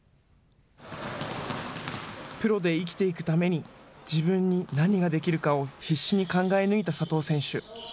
プロで生きていくために自分に何ができるかを必死に考え抜いた佐藤選手。